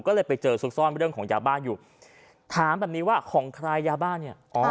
ก็เลยไปเจอซุกซ่อนเรื่องของยาบ้านอยู่ถามแบบนี้ว่าของใครยาบ้าเนี่ย